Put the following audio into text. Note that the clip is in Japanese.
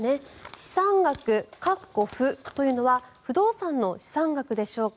資産額というのは不動産の資産額でしょうか。